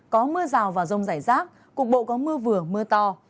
có mưa rào và rông rải rác cục bộ có mưa vừa mưa to